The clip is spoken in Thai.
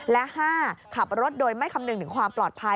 และ๕ขับรถโดยไม่คำนึงถึงความปลอดภัย